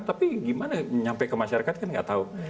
tapi gimana nyampe ke masyarakat kan nggak tahu